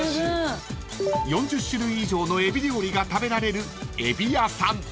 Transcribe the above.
［４０種類以上のエビ料理が食べられる］